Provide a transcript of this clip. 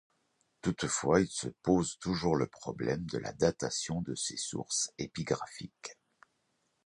Toutefois, il se pose toujours le problème de la datation de ces sources épigraphiques.